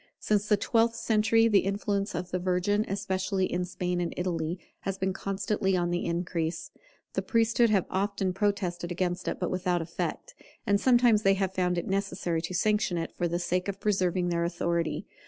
Since the twelfth century, the influence of the Virgin, especially in Spain and Italy, has been constantly on the increase. The priesthood have often protested against it, but without effect; and sometimes they have found it necessary to sanction it, for the sake of preserving their authority.